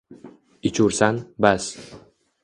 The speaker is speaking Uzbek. Ichursan, bas